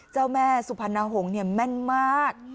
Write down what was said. เจ้าแม่สุพรรณหงษ์แม่นมาก